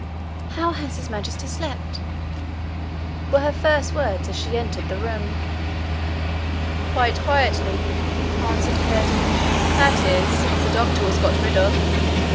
'How has His Majesty slept?' were her first words as she entered the room. 'Quite quietly,' answered Curdie; 'that is, since the doctor was got rid of.'